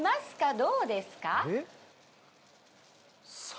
どうですか？